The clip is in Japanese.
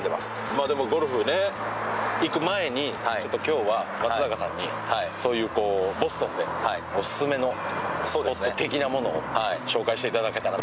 まあでもゴルフね行く前にちょっと今日は松坂さんにそういうこうボストンでオススメのスポット的なものを紹介していただけたら。